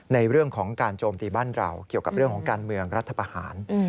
ในเรื่องของการโจมตีบ้านเราเกี่ยวกับเรื่องของการเมืองรัฐประหาร